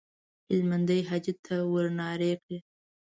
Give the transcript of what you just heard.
هلمندي حاجي ته ورنارې کړې.